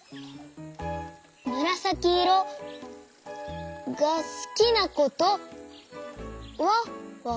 むらさきいろがすきなことはわかりました。